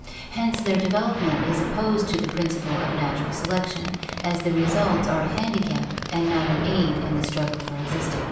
Hence their development is opposed to the principle of natural selection, as the results are a handicap and not an aid in the struggle for existence.